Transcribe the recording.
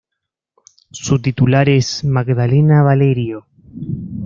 Su titular es Magdalena Valerio.